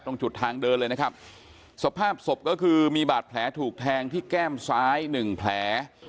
ตรงจุดทางเดินเลยนะครับสภาพศพก็คือมีบาดแผลถูกแทงที่แก้มซ้ายหนึ่งแผล